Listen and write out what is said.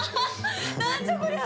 何じゃこりゃ！